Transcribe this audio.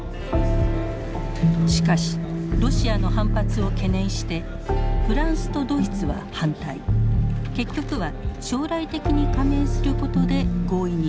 しかしロシアの反発を懸念してフランスとドイツは反対結局は将来的に加盟することで合意に達しました。